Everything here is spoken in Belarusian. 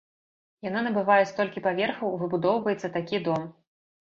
Яна набывае столькі паверхаў, выбудоўваецца такі дом!